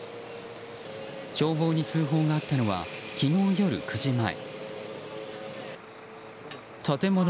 消防に通報があったのは昨日夜９時前。